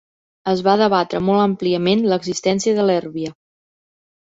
Es va debatre molt àmpliament l'existència de l'èrbia.